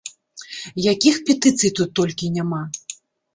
Якіх петыцый тут толькі няма!